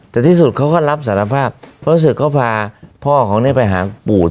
แต่ที่สุดเขาก็รับสารภาพเพราะรู้สึกเขาพาพ่อของเนี่ยไปหาปู่